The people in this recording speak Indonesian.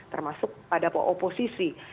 termasuk pada oposisi